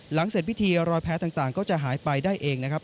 เสร็จพิธีรอยแพ้ต่างก็จะหายไปได้เองนะครับ